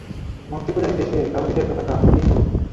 মূর্তিপূজারীর দেশে তাওহীদের পতাকা উড্ডিন হল।